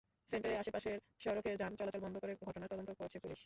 সেন্টারের আশপাশের সড়কে যান চলাচল বন্ধ করে ঘটনার তদন্ত করছে পুলিশ।